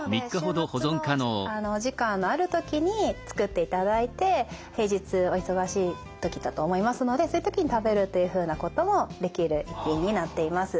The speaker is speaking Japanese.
なので週末のお時間のある時に作っていただいて平日お忙しい時だと思いますのでそういう時に食べるというふうなこともできる一品になっています。